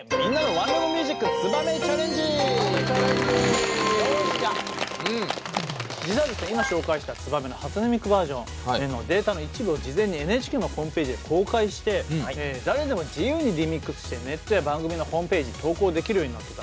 名付けて「ツバメチャレンジ」！実はですね今紹介した「ツバメ」の初音ミクバージョンのデータの一部を事前にＮＨＫのホームページで公開して誰でも自由にリミックスしてネットや番組のホームページに投稿できるようになってたんですよね。